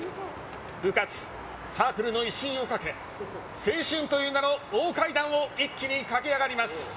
部活・サークルの威信をかけ青春という名の大階段を一気に駆け上がります。